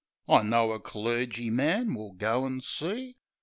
I know a clergyman we'll go an' see"